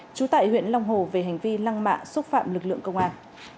trú tại huyện long hồ về hành vi lăng mạ xúc phạm lực lượng công an